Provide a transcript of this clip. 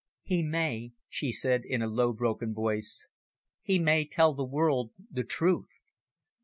"He may," she said, in a low, broken voice, "he may tell the world the truth!"